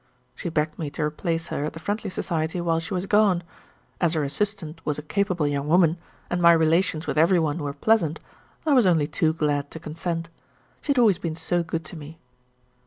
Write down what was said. She begged me to replace her at the Friendly Society while she was gone. As her assistant was a capable young woman, and my relations with every one were pleasant I was only too glad to consent. She had always been so good to me.